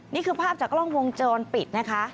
นี่คือภาพจากกล้องวงจรปิดนะคะ